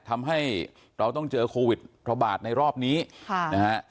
ทำให้เราต้องเจอโควิดระบาดในรอบนี้ค่ะนะฮะ